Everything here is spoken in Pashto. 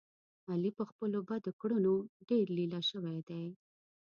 علي په خپلو بدو کړنو ډېر لیله شو دی.